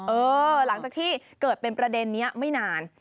หลังจากที่เกิดเป็นประเด็นนี้ไม่นาน